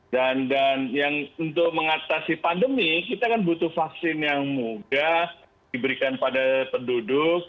dan untuk mengatasi pandemi kita kan butuh vaksin yang mudah diberikan pada penduduk